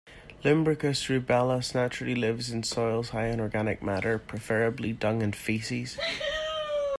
"Lumbricus rubellus" naturally lives in soils high in organic matter, preferably dung and feces.